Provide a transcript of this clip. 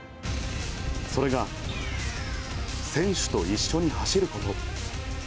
それが選手と一緒に走ること。